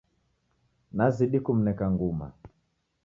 Nazidi kumneka nguma